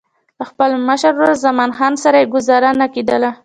له خپل مشر ورور زمان خان سره یې ګوزاره نه کېدله.